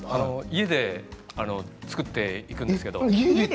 家で作っていくんですけれど。